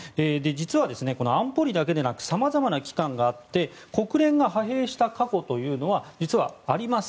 実は、安保理だけでなくさまざまな機関があって国連が派兵した過去というのは実は、あります。